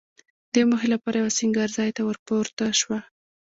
دې موخې لپاره یوه سینګار ځای ته ورپورته شوه.